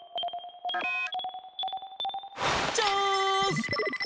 チャーンス！